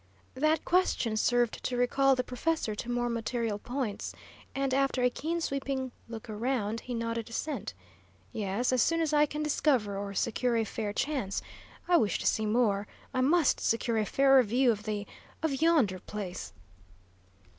That question served to recall the professor to more material points, and, after a keen, sweeping look around, he nodded assent. "Yes, as soon as I can discover or secure a fair chance. I wish to see more I must secure a fairer view of the of yonder place."